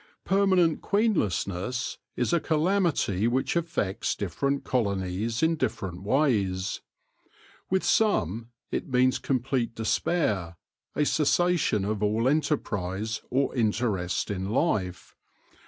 Permanent queenlessness is a calamity which affects different colonies in different ways. With some it means complete despair, a cessation of all enterprise or interest in life.